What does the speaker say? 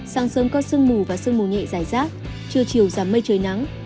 sáng sớm có sương mù và sương mù nhẹ dài rác trưa chiều giảm mây trời nắng